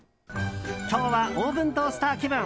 今日はオーブントースター気分。